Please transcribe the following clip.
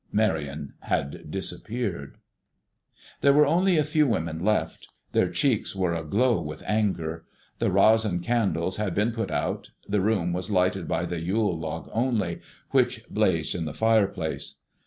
Marion had disappeared. There were only a few women left; their cheeks were aglow with anger. The resin candles had been put out. The room was lighted by the Yule log only, which blazed in the fireplace.